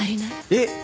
えっ！